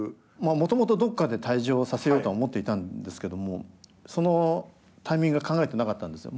もともとどっかで退場させようとは思っていたんですけどもそのタイミングは考えてなかったんですよ。